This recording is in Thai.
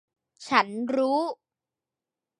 ฉันรู้ !